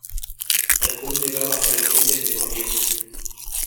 Al sur llegaba hasta los límites de Corrientes.